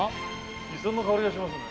磯の香りがしますね。